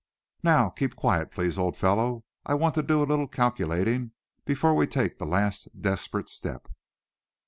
"Now, keep quiet, please, old fellow. I want to do a little calculating before we take the last, desperate step."